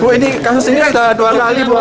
bu ini kasus ini sudah dua kali bu